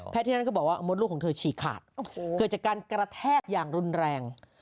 ที่นั่นก็บอกว่ามดลูกของเธอฉีกขาดเกิดจากการกระแทกอย่างรุนแรง